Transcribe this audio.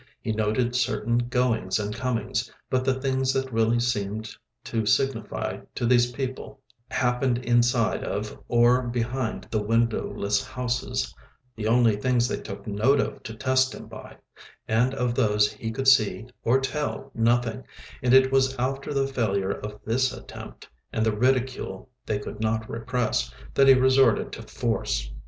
He noted certain goings and comings, but the things that really seemed to signify to these people happened inside of or behind the windowless houses—the only things they took note of to test him by—and of those he could see or tell nothing; and it was after the failure of this attempt, and the ridicule they could not repress, that he resorted to force.